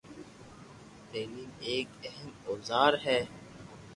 تعليم هڪ اهم اوزار آهي